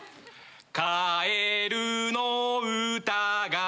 かえるのうたが